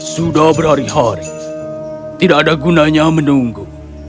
sudah berhari hari tidak ada gunanya menunggu